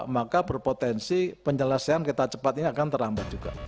maka berpotensi penyelesaian kita cepat ini akan terlambat juga